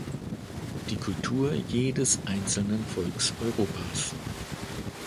Die Kultur jedes einzelnen Volks Europas.